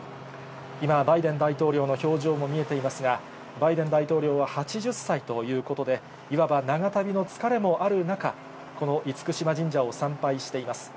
今、バイデン大統領の表情も見えていますが、バイデン大統領は８０歳ということで、いわば長旅の疲れもある中、この厳島神社を参拝しています。